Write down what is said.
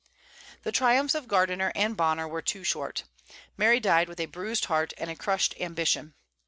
The triumphs of Gardiner and Bonner too were short. Mary died with a bruised heart and a crushed ambition.